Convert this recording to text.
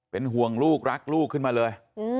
เป็นห่วงลูกรักลูกขึ้นมาเลย